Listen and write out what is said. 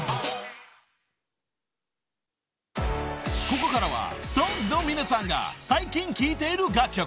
［ここからはＳｉｘＴＯＮＥＳの皆さんが最近聴いている楽曲］